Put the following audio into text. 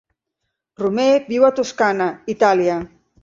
Romer viu a Toscana, Itàlia.